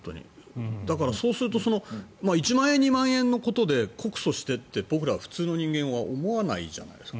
だからそうすると１万円、２万円のことで告訴してって僕ら普通の人間は思わないじゃないですか。